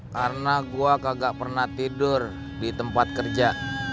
karena gua kagak pernah tidur di tempat kerja